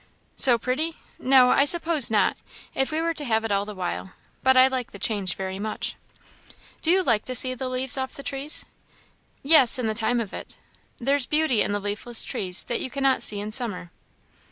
"So pretty! No, I suppose not, if we were to have it all the while; but I like the change very much." "Do you like to see the leaves off the trees?" "Yes, in the time of it. There's beauty in the leafless trees that you cannot see in summer.